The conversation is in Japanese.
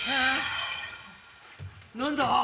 何だ？